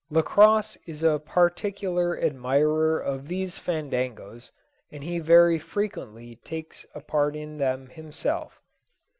Lacosse is a particular admirer of these fandangos, and he very frequently takes a part in them himself.